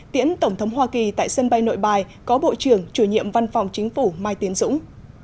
tiễn tổng thống hoa kỳ tại sân bay nội bài có bộ trưởng chủ nhiệm văn phòng chính phủ mai tiến dũng